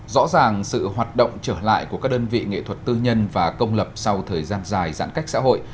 rõ ràng sự hoạt động trở lại của các đơn vị nghệ thuật tư nhân và công lập sau thời gian dài giãn cách xã hội